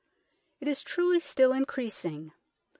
It is truely still in creasing.